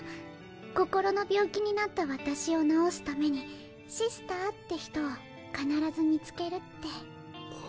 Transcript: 心の病気になった私を治すためにシスターって人を必ず見つけるって。